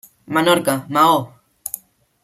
Menorca, Maó.